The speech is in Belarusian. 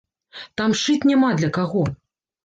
Там шыць няма для каго.